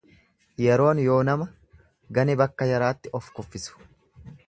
Yeroon yoo nama ganebakka yaraatti of kuffisu.